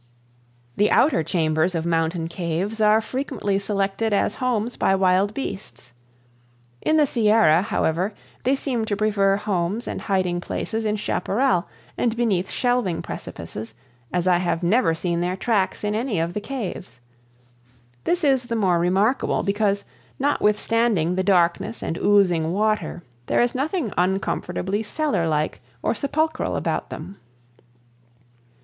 The outer chambers of mountain caves are frequently selected as homes by wild beasts. In the Sierra, however, they seem to prefer homes and hiding places in chaparral and beneath shelving precipices, as I have never seen their tracks in any of the caves. This is the more remarkable because notwithstanding the darkness and oozing water there is nothing uncomfortably cellar like or sepulchral about them.